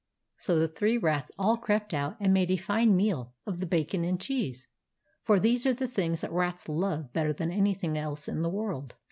So the three rats all crept out and made a fine meal of the bacon and cheese ; for these are the things that rats love better than any thing else in the world.